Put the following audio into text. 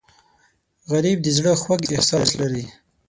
غریب د زړه خوږ احساس لري